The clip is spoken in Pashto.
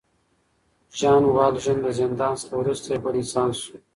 ژان والژان د زندان څخه وروسته یو بل انسان شو.